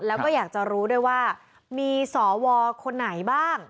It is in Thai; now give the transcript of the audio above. แล้วก็อยากจะรู้ด้วยว่ามีสวคนไหนบ้าง